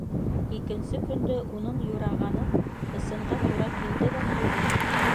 Икенсе көндө уның юрағаны ысынға тура килде лә ҡуйҙы.